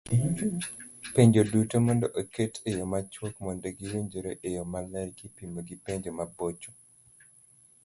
Penjo duto mondo oket eyo machuok mondo giwinjore eyo maler kipimo gi penjo mabocho